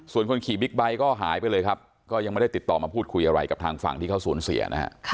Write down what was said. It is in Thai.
ส่วนคนขี่บิ๊กไบท์ก็หายไปเลยครับก็ยังไม่ได้ติดต่อมาพูดคุยอะไรกับทางฝั่งที่เขาสูญเสียนะฮะ